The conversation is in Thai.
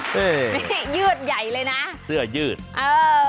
นี่ยืดใหญ่เลยนะเสื้อยืดเออ